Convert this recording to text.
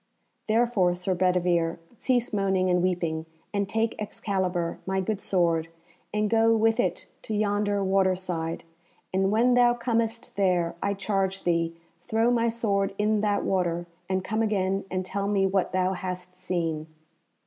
Therefore, Sir Bedivere, cease moaning and weeping, and take Excalibur, my good sword, and go with it to yonder water side, and when thou comest there, I charge thee, throw my sword in that water, and come again and tell me what thou hast seen."